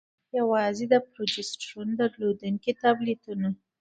يوازې د پروجسترون درلودونكي ټابليټونه: